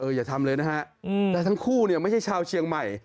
อย่าทำเลยนะฮะแต่ทั้งคู่เนี่ยไม่ใช่ชาวเชียงใหม่